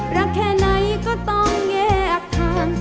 แค่ไหนก็ต้องแยกทาง